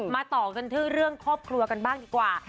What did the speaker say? ต่อกันที่เรื่องครอบครัวกันบ้างดีกว่า